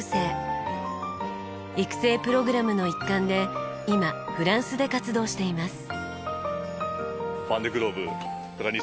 育成プログラムの一環で今フランスで活動しています。